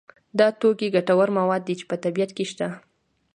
دا توکي ګټور مواد دي چې په طبیعت کې شته.